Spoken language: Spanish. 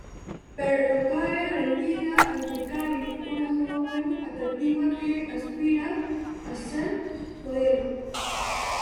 Pero cae rendida ante Karin, una joven atractiva que aspira a ser modelo.